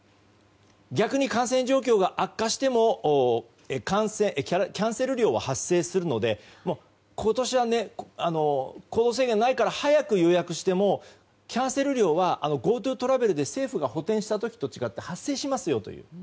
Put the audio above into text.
逆に感染状況が悪化してもキャンセル料は発生するので今年は行動制限ないから早く予約してもキャンセル料はＧｏＴｏトラベルで政府が補填した時と違って発生しますよという。